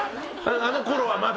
あのころはまだ？